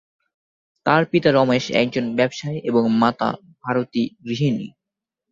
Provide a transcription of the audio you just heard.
তার পিতা রমেশ একজন ব্যবসায়ী এবং মাতা ভারতী গৃহিণী।